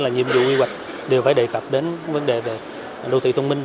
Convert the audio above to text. nhiệm vụ quy hoạch đều phải đề cập đến vấn đề về đô thị thông minh